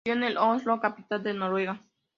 Nació el en Oslo, capital de Noruega.